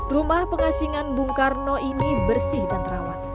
rumah pengasingan bung karno ini bersih dan terawat